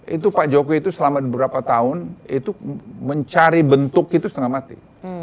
itu pak jokowi itu selama beberapa tahun itu mencari bentuk itu setengah mati